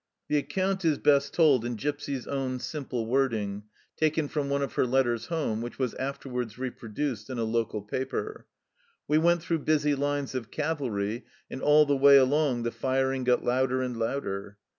The account is best told in Gipsy's own simple wording, taken from one of her letters home, which was afterwards reproduced in a local paper :" We went through busy lines of cavalry, and all the way along the firing got louder and louder.